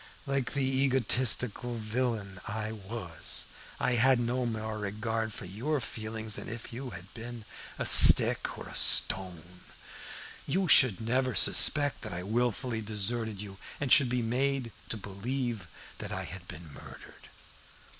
Like the egotistical villain I was, I had no more regard for your feelings than if you had been a stick or a stone. You should never suspect that I had wilfully deserted you, and should be made to believe that I had been murdered.